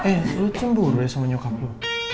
eh lo cemburu ya sama nyokap lo